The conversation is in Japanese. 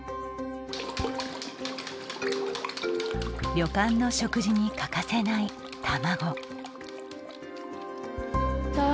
旅館の食事に欠かせない卵。